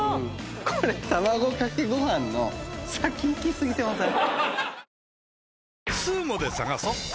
これたまごかけごはんの先行き過ぎてません？